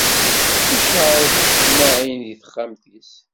Iceɛɛel ticemmaɛin deg texxamt-is.